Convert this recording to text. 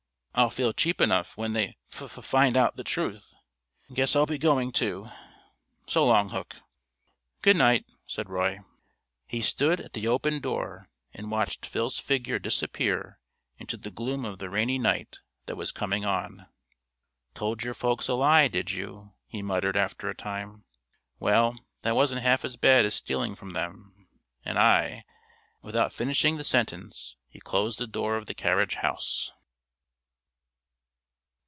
I'll feel cheap enough when they fuf find out the truth. Guess I'll be going, too. So long, Hook." "Good night," said Roy. He stood at the open door and watched Phil's figure disappear into the gloom of the rainy night that was coming on. "Told your folks a lie, did you?" he muttered after a time. "Well, that wasn't half as bad as stealing from them, and I " Without finishing the sentence, he closed the door of the carriage house.